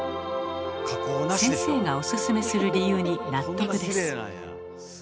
先生がオススメする理由に納得です。